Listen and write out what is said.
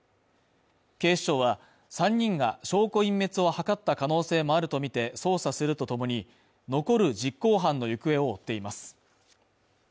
警視庁は３人が証拠隠滅を図った可能性もあるとみて捜査するとともに残る実行犯の行方を追っています。